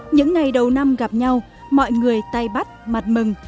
những ngày đầu năm gặp nhau mọi người tay bắt mặt mừng